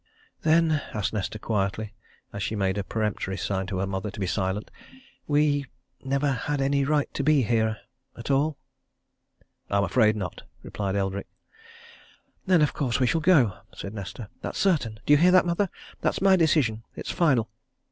"Then," asked Nesta quietly, as she made a peremptory sign to her mother to be silent, "we never had any right to be here at all?" "I'm afraid not," replied Eldrick. "Then of course we shall go," said Nesta. "That's certain! Do you hear that, mother? That's my decision. It's final!"